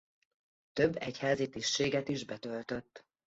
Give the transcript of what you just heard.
Több egyházi tisztséget is betöltött.